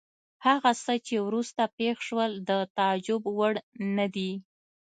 هغه څه چې وروسته پېښ شول د تعجب وړ نه دي.